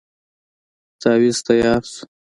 تاويذ تیار شو.